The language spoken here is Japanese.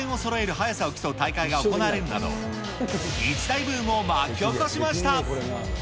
速さを競う大会が行われるなど、一大ブームを巻き起こしました。